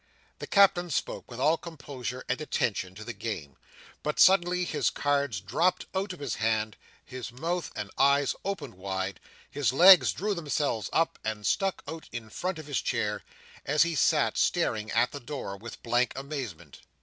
The Captain spoke with all composure and attention to the game, but suddenly his cards dropped out of his hand, his mouth and eyes opened wide, his legs drew themselves up and stuck out in front of his chair, and he sat staring at the door with blank amazement.